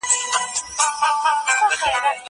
زه بايد انځورونه رسم کړم.